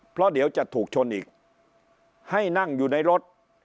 เพราะเดี๋ยวจะถูกชนอีกให้นั่งอยู่ในรถ